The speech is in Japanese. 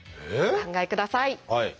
お考えください。